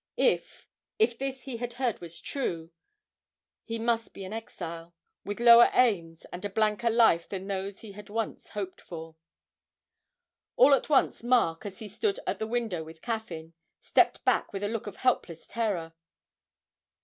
If if this he had heard was true, he must be an exile, with lower aims and a blanker life than those he had once hoped for. All at once Mark, as he stood at the window with Caffyn, stepped back with a look of helpless terror.